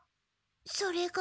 それが。